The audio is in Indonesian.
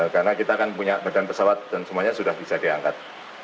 karena kita kan punya badan pesawat dan semuanya sudah bisa diangkat